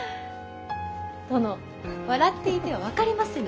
殿笑っていては分かりませぬ。